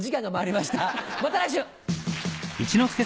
また来週！